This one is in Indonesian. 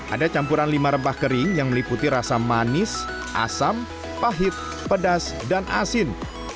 ada campuran lima rempah kering yang meliputi rasa manis asam pahit pedas dan asin